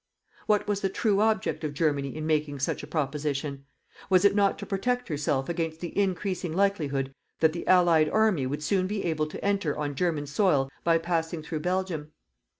What was the true object of Germany in making such a proposition? Was it not to protect herself against the increasing likelihood that the Allied army would soon be able to enter on German soil by passing through Belgium.